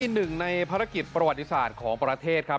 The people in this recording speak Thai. หนึ่งในภารกิจประวัติศาสตร์ของประเทศครับ